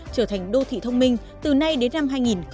trở thành đô thị thông minh từ nay đến năm hai nghìn hai mươi năm